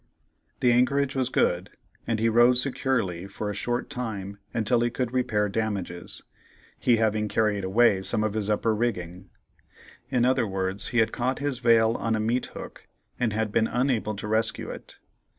The anchorage was good, and he rode securely for a short time until he could repair damages, he having carried away some of his upper rigging; in other words, he had caught his veil on a meat hook and had been unable to rescue it.